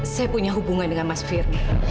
saya punya hubungan dengan mas firly